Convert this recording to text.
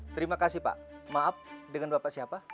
terima kasih pak maaf dengan bapak siapa